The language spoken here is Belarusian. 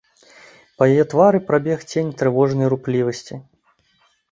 Па яе твары прабег цень трывожнай руплівасці.